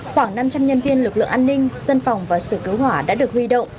khoảng năm trăm linh nhân viên lực lượng an ninh dân phòng và sự cứu hỏa đã được huy động